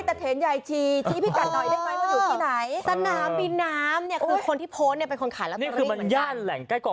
แต่เท้นใหญ่ชีชีพี่กัลด่อยได้ไหมมันอยู่ที่ไหน